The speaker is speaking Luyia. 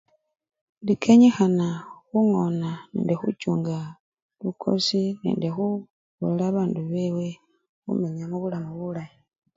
Indi kenyikhana khungona nende khuchunga lukosi nende khubolela babandu bewe khumenya mubulamu bulayi.